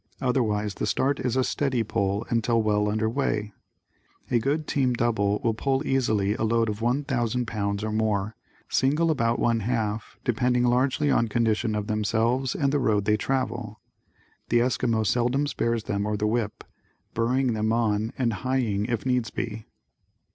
Otherwise, the start is a steady pull until well under way. A good team double will pull easily a load of 1,000 pounds or more, single about one half, depending largely on condition of themselves and the road they travel. The Esquimaux seldom spares them or the whip, "Brring" them on and "Hi ying" if needs be.